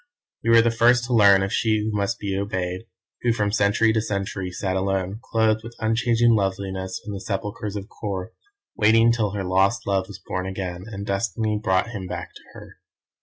You were the first to learn of She Who Must Be Obeyed, who from century to century sat alone, clothed with unchanging loveliness in the sepulchres of Kôr, waiting till her lost love was born again, and Destiny brought him back to her.